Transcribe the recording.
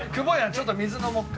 ちょっと水飲もうか？